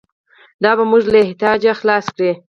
دا به موږ له احتیاجه خلاص کړي.